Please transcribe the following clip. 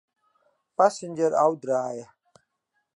Passenger ôfdraaie.